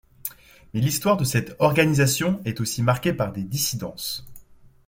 Mais l'histoire de cette organisation est aussi marquée par des dissidences.